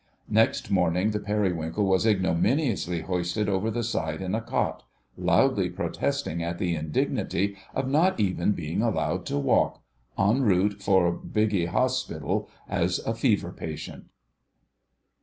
Next morning the Periwinkle was ignominiously hoisted over the side in a cot—loudly protesting at the indignity of not even being allowed to walk—en route for Bighi Hospital as a fever patient.